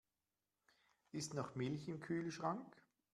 Ist noch Milch im Kühlschrank?